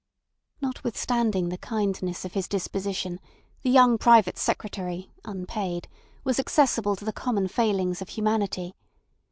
Notwithstanding the kindness of his disposition, the young private secretary (unpaid) was accessible to the common failings of humanity.